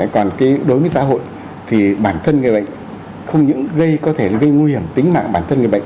còn đối với xã hội thì bản thân người bệnh không những gây nguy hiểm tính mạng bản thân người bệnh